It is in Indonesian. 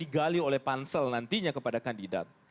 dia akan digali oleh pansel nantinya kepada kandidat